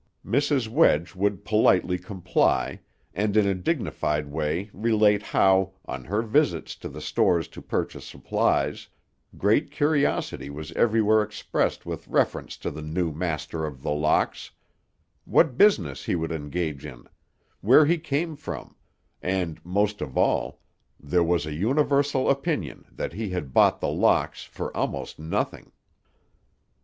Mrs. Wedge would politely comply, and in a dignified way relate how, on her visits to the stores to purchase supplies, great curiosity was everywhere expressed with reference to the new master of The Locks, what business he would engage in; where he came from; and, most of all, there was a universal opinion that he had bought The Locks for almost nothing.